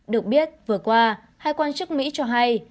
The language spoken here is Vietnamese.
được biết vừa qua hai quan chức mỹ cho hay